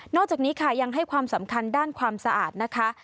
จากนี้ค่ะยังให้ความสำคัญด้านความสะอาดนะคะ